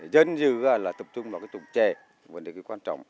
dân dư là tập trung vào cái tổng trè vấn đề quan trọng